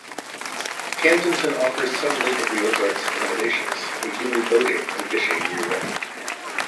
Camdenton offers some Lake of the Ozarks accommodations, including boating and fishing year-round.